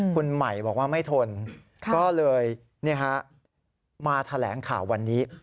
คุณใหม่บอกว่าไม่ทนก็เลยมาแถลงข่าววันนี้